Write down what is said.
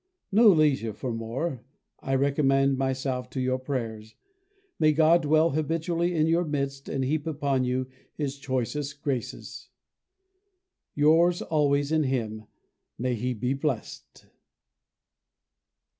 No leisure for more I recommend myself to your prayers. May God dwell habitually in your midst and heap upon you His choicest graces! Yours always in Him. May He be blessed!